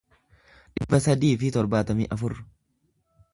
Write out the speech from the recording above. dhibba sadii fi torbaatamii afur